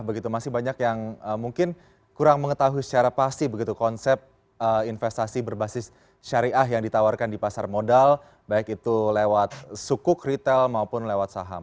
begitu masih banyak yang mungkin kurang mengetahui secara pasti begitu konsep investasi berbasis syariah yang ditawarkan di pasar modal baik itu lewat sukuk retail maupun lewat saham